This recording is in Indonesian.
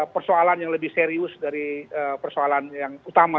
persoalan yang lebih serius dari persoalan yang utama